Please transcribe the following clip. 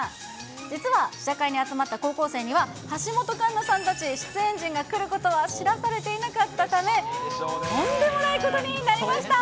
実は、試写会に集まった高校生には、橋本環奈さんたち、出演陣が来ることは知らされていなかったため、とんでもないことになりました！